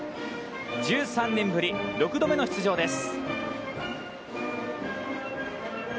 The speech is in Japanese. １３年ぶり６度目の出場です。